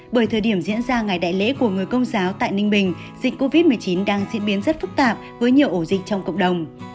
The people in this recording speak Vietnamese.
bởi thời điểm diễn ra ngày đại lễ của người công giáo tại ninh bình dịch covid một mươi chín đang diễn biến rất phức tạp với nhiều ổ dịch trong cộng đồng